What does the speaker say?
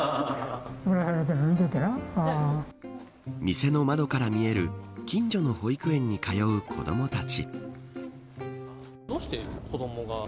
店の窓から見える近所の保育園に通う子どもたち。